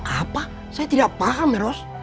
apa saya tidak paham ros